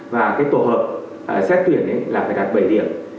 và cái tổ hợp xét tuyển là phải đạt bảy điểm